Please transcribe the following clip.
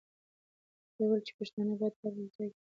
هغې وویل چې پښتانه باید هر ځای کې یو بل سره مرسته وکړي.